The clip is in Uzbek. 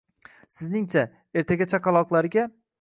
Sizningcha, ertaga chaqaloqlarga